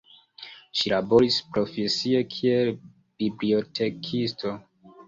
Ŝi laboris profesie kiel bibliotekisto.